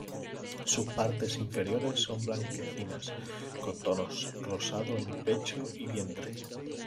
Sus partes inferiores son blanquecinas, con tonos rosados en pecho y vientre.